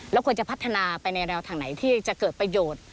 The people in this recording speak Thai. ควรจะพัฒนาไปในแนวทางไหนที่จะเกิดประโยชน์